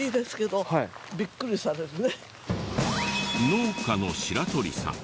農家の白鳥さん。